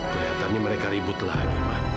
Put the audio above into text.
kelihatan ini mereka ributlah aja ma